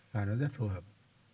và nó rất phù hợp